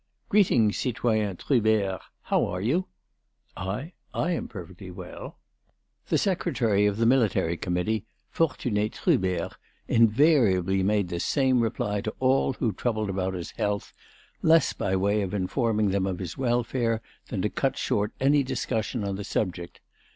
"Greeting, citoyen Trubert. How are you?" "I?... I am perfectly well." The Secretary of the Military Committee, Fortuné Trubert, invariably made this same reply to all who troubled about his health, less by way of informing them of his welfare than to cut short any discussion on the subject.